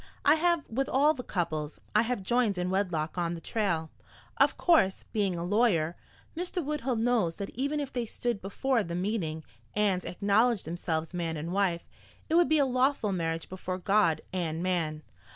I have with all the couples I have joined in wedlock on the trail. Of course, being a lawyer, Mr. Woodhull knows that even if they stood before the meeting and acknowledged themselves man and wife it would be a lawful marriage before God and man.